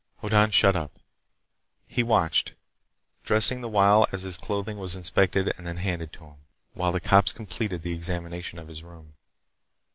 Hoddan shut up. He watched—dressing the while as his clothing was inspected and then handed to him—while the cops completed the examination of his room.